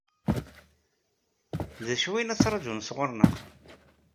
D acu i la ttṛaǧun sɣur-neɣ?